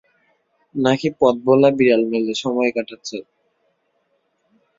নাকি পথভোলা বিড়াল মেরে সময় কাটাচ্ছ?